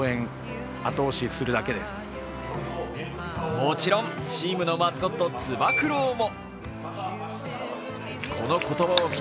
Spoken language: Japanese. もちろんチームのマスコット・つば九郎も。